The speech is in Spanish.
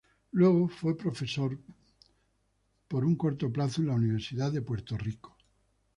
Luego fue profesor por un corto plazo en la Universidad de Puerto Rico.